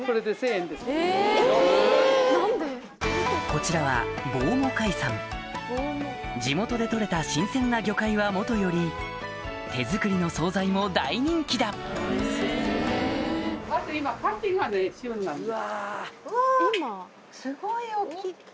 こちらは地元で取れた新鮮な魚介はもとより手作りの総菜も大人気だうわ。